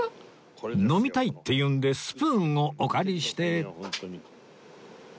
飲みたいって言うんでスプーンをお借りして